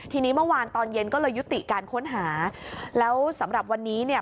ทีนี้เมื่อวานตอนเย็นก็เลยยุติการค้นหาแล้วสำหรับวันนี้เนี่ย